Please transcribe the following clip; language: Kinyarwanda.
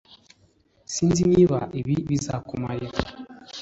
Sinzi niba ibi bizakumarira.